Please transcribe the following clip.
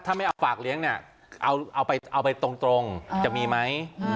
ถ้าไม่เอาฝากเลี้ยงเนี่ยเอาไปตรงจะมีไหม